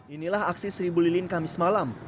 inilah aksi seribu lilin kamis malam